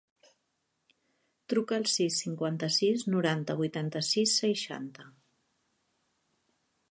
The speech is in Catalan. Truca al sis, cinquanta-sis, noranta, vuitanta-sis, seixanta.